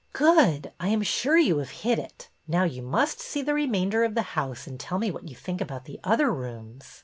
Good! I am sure you have hit it. Now, you must see the remainder of the house and tell me what you think about the other rooms."